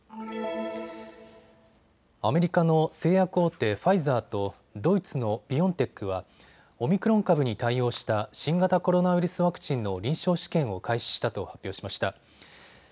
アメリカの製薬大手、ファイザーとドイツのビオンテックはオミクロン株に対応した新型コロナウイルスワクチンの臨床試験を開始したと発表しました。